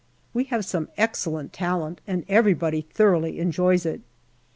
We have some excellent talent, and everybody thoroughly enjoys it.